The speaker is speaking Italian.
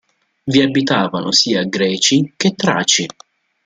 Vi abitavano sia Greci che Traci.